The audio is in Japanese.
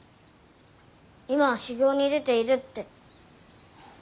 今は修行に出ているって。